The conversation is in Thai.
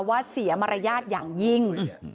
ว่าเสียมารยาทอย่างยิ่ง